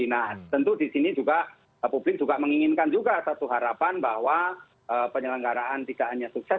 nah tentu di sini juga publik juga menginginkan juga satu harapan bahwa penyelenggaraan tidak hanya sukses